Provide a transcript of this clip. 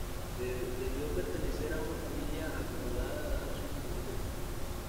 Debió pertenecer a una familia acomodada dadas sus dimensiones.